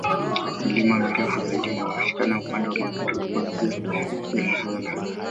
Milima mirefu zaidi inapatikana upande wa magharibi, kuanzia Venezuela.